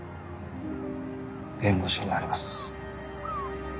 弁護士になります。